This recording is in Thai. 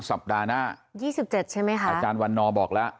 สัปดาห์หน้ายี่สิบเจ็ดใช่ไหมคะอาจารย์วันนอบอกแล้ว